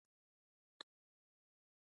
ایا ستاسو واوره به ذخیره وي؟